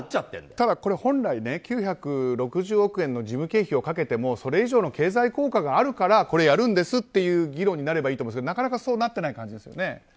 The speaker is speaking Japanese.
ただ、本来９６０億円の事務経費をかけてもそれ以上の経済効果があるからこれやるんですっていう議論になればいいんですけどなかなかそうなっていない感じですよね。